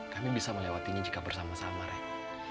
kami bisa melewatinya jika bersama sama rek